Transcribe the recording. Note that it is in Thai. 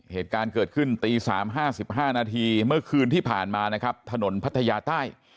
เหตุการณ์เกิดขึ้นตี๓๕๕นาทีเมื่อคืนที่ผ่านมานะครับถนนพัทยาใต้